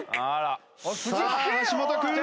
さあ橋本君。